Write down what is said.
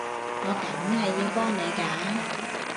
我梗係要幫你㗎